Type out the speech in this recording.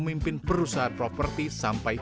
ini terus berjalan